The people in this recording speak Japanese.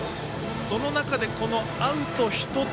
その中で、このアウト１つ。